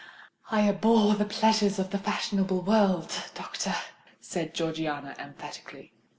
"I abhor the pleasures of the fashionable world, doctor," said Georgiana emphatically.